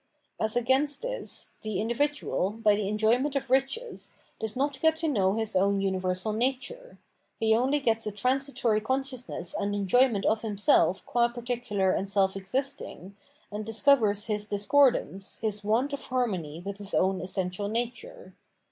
As against this, the individual, by the enjoyment of riches, does not get to know his own universal nature ; he only gets a transitory consciousness and enjoyment of himself qua particular and self existing, and discovers his discordance, his want of harmony with his own essential nature.